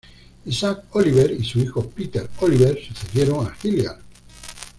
Isaac Oliver y su hijo Peter Oliver sucedieron a Hilliard.